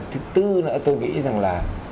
thứ tư nữa tôi nghĩ rằng là